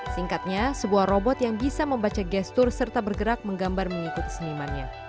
singkatnya sebuah robot yang bisa membaca gestur serta bergerak menggambar mengikuti senimannya